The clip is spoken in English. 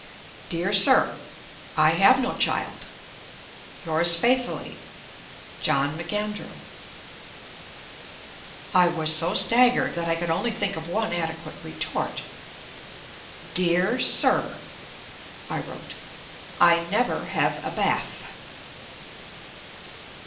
"Dear Sir, I have no child. "Yours faithfully, Jno. McAndrew." I was so staggered that I could only think of one adequate retort. "DEAR SIR," I wrote, "I never have a bath."